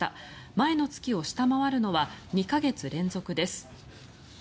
前の月を下回るのは２か月連続です。